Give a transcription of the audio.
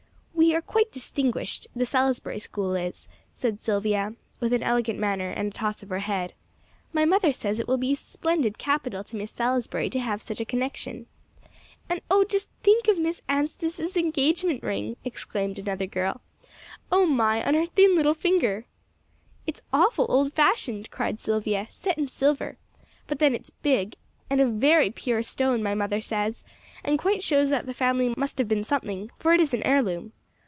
"We are quite distinguished the Salisbury School is," said Silvia, with an elegant manner, and a toss of her head. "My mother says it will be splendid capital to Miss Salisbury to have such a connection." "And, oh, just think of Miss Anstice's engagement ring!" exclaimed another girl. "Oh my, on her little thin finger!" "It's awful old fashioned," cried Silvia, "set in silver. But then, it's big, and a very pure stone, my mother says; and quite shows that the family must have been something, for it is an heirloom."